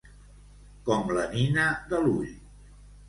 Com la nina de l'ull.